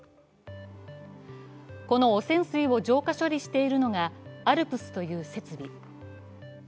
この汚染水を浄化処理しているのがＡＬＰＳという設備。